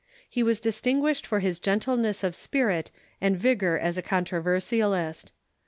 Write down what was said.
He was distinguished for his gentleness of spirit and vigor as a controversialist.